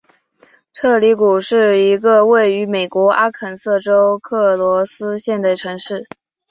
彻里谷是一个位于美国阿肯色州克罗斯县的城市。